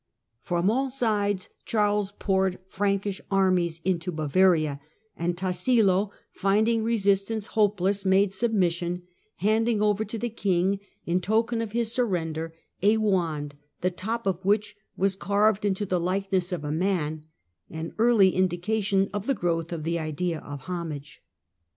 From all sides Charles poured Frankish armies into Bavaria, and Tassilo, finding resistance hopeless, made submission, handing over to the king, in token of his surrender, " a wand, the top of which was carved into the likeness of a man "— an early indication of the growth of the idea of homage.